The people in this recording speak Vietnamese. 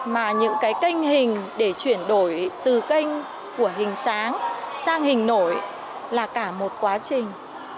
mà những cái kênh hình để chuyển đổi từ kênh của hình sáng sang hình nổi là cả một quá trình